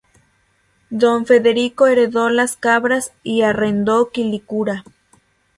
Don Federico heredó Las Cabras y arrendó Quilicura.